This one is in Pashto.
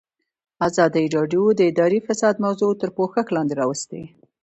ازادي راډیو د اداري فساد موضوع تر پوښښ لاندې راوستې.